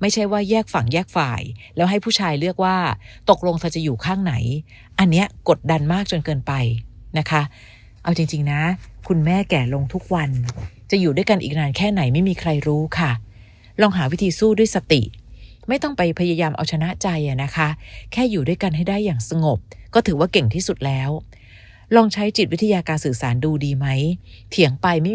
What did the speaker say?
ไม่ใช่ว่าแยกฝั่งแยกฝ่ายแล้วให้ผู้ชายเลือกว่าตกลงเธอจะอยู่ข้างไหนอันนี้กดดันมากจนเกินไปนะคะเอาจริงนะคุณแม่แก่ลงทุกวันจะอยู่ด้วยกันอีกนานแค่ไหนไม่มีใครรู้ค่ะลองหาวิธีสู้ด้วยสติไม่ต้องไปพยายามเอาชนะใจอ่ะนะคะแค่อยู่ด้วยกันให้ได้อย่างสงบก็ถือว่าเก่งที่สุดแล้วลองใช้จิตวิทยาการสื่อสารดูดีไหมเถียงไปไม่มี